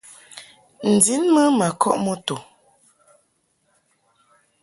N-din mɨ ma kɔʼ moto.